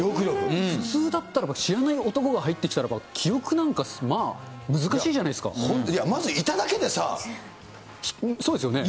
普通だったらば、知らない男が入ってきたらば、記憶なんか、まあ、難しいじゃな本当、そうですよね。